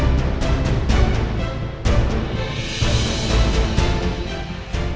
anda muncul dan mengaku sebagai orang yang menghamili elsa